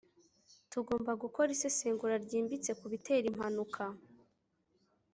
tugomba gukora isesengura ryimbitse kubitera impanuka